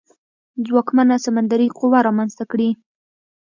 ځواکمنه سمندري قوه رامنځته کړي.